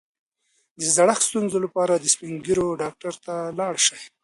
د زړښت د ستونزو لپاره د سپین ږیرو ډاکټر ته لاړ شئ